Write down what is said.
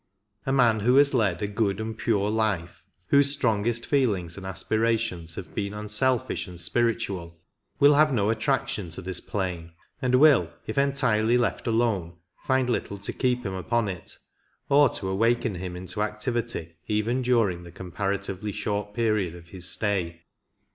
A man who has led a good and pure life, whose strongest feelings and aspirations have been un selfish and spiritual, will have no attraction to this plane, and will, if entirely left alone, find little to keep him upon it, or to awaken him into activity even during the comparatively short period of his stay.